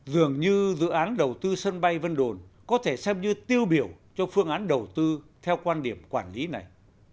dường như dự án đầu tư sân bay vân đồn có thể xem như tiêu biểu cho phương án đầu tư theo quan điểm quản lý này